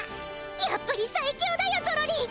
やっぱりサイキョだよゾロリ。